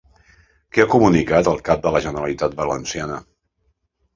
Què ha comunicat el cap de la Generalitat Valenciana?